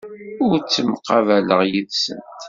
Ur ttemqabaleɣ yid-sent.